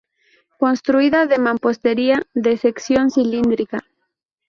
Construida de mampostería, de sección cilíndrica.